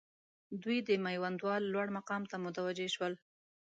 دوی د میوندوال لوړ مقام ته متوجه شول.